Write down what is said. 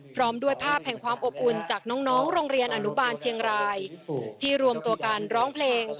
พร้อมด้วยภาพแห่งความอบอุ่นจากน้องโรงเรียนอนุบาลเชียงรายที่รวมตัวกันร้องเพลง